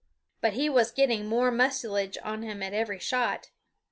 But he was getting more mucilage on him at every shot.